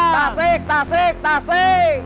tasik tasik tasik